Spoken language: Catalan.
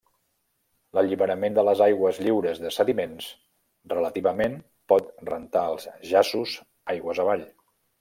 L'alliberament de les aigües lliures de sediments, relativament, pot rentar els jaços, aigües avall.